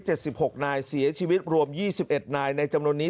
สิบหกนายเสียชีวิตรวมยี่สิบเอ็ดนายในจำนวนนี้